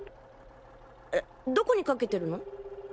えどこにかけてるの？